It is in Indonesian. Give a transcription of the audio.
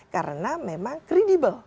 karena memang kredibel